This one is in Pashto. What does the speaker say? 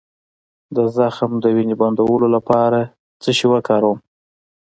د زخم د وینې بندولو لپاره څه شی وکاروم؟